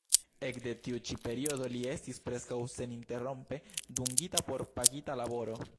Ekde tiu ĉi periodo li estis preskaŭ seninterrompe dungita por pagita laboro.